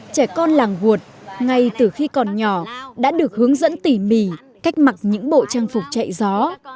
trẻ con làng guột ngay từ khi còn nhỏ đã được hướng dẫn tỉ mỉ cách mặc những bộ trang phục chạy gió